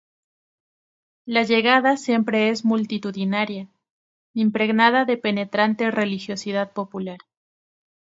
La llegada siempre es multitudinaria, impregnada de penetrante religiosidad popular.